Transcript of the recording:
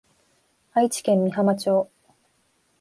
愛知県美浜町